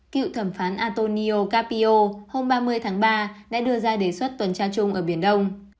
cựu thẩm phán antonio capio hôm ba mươi tháng ba đã đưa ra đề xuất tuần tra chung ở biển đông